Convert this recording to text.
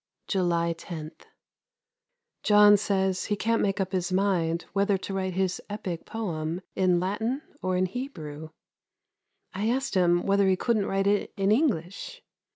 July 10. John says he can't make up his mind whether to write his epick poem in Latin or in Hebrew. I asked him whether he couldn't write it in English.